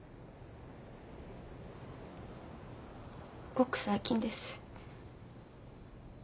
ごく最近です。